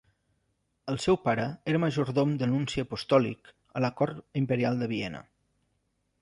El seu pare era majordom del nunci apostòlic a la Cort Imperial de Viena.